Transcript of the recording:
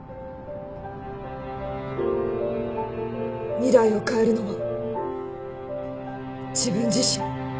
未来を変えるのは自分自身。